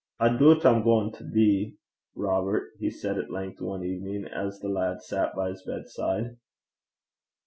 'I doobt I'm gaein' to dee, Robert,' he said at length one evening as the lad sat by his bedside.